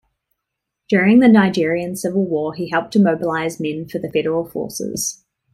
During the Nigerian civil war he helped to mobilise men for the Federal forces.